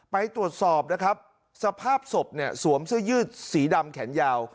ไปตรวจสอบนะครับสภาพศพเนี่ยสวมเสื้อยืดสีดำแขนยาว